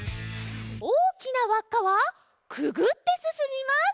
おおきなわっかはくぐってすすみます！